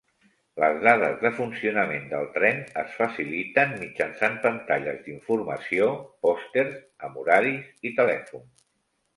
Les dades de funcionament del tren es faciliten mitjançant pantalles d'informació, pòsters amb horaris i telèfon.